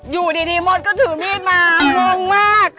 อยู่ดีมดก็ถือมีดมางงมาก